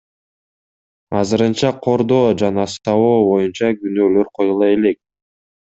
Азырынча кордоо жана сабоо боюнча күнөөлөр коюла элек.